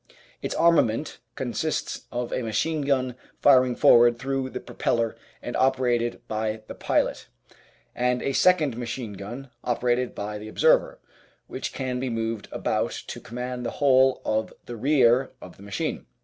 Its armament consists of a machine gun, firing forward through the propeller and operated by the pilot, and a second machine gun operated by the observer, which can be moved about to command the whole of the rear of the machine.